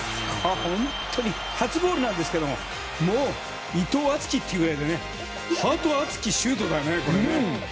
本当に初ゴールなんですけどももう、伊藤敦樹っていうぐらいのハート熱きシュートだね。